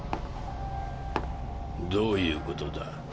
どういうことだ？